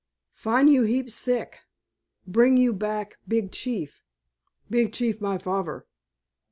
Fin' you heap sick. Bring you back Big Chief. Big Chief my favver."